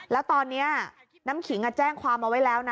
แล้วตอนนี้น้ำขิงแจ้งความเอาไว้แล้วนะ